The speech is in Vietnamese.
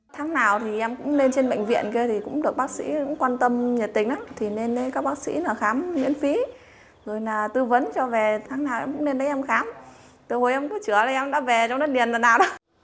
tháng nào em cũng lên trên bệnh viện kia thì cũng được bác sĩ quan tâm nhiệt tình nên các bác sĩ khám miễn phí tư vấn cho về tháng nào em cũng lên đây em khám từ hồi em cứ chữa là em đã về trong đất điền lần nào